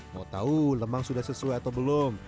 mau tahu lemang sudah sesuai atau belum